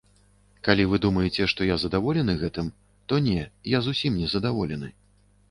Калі вы думаеце, што я задаволены гэтым, то не, я зусім незадаволены.